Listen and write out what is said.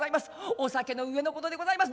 お酒の上のことでございます。